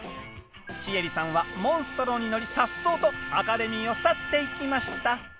シエリさんはモンストロに乗りさっそうとアカデミーを去っていきました！